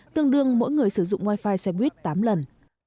tương đương mỗi người sử dụng wi fi xe buýt tám lần